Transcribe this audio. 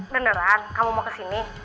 beneran kamu mau kesini